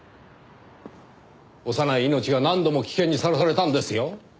幼い命が何度も危険にさらされたんですよ？